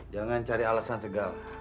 jangan cari alasan segala